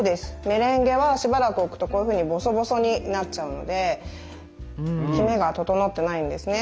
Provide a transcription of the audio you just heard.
メレンゲはしばらく置くとこういうふうにボソボソになっちゃうのできめが整ってないんですね。